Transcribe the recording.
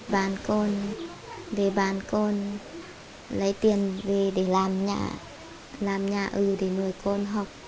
bàn con về bàn con lấy tiền về để làm nhà làm nhà ở để nuôi con học